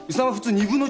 ２分の１。